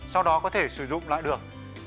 sau đó có thể sử dụng lại được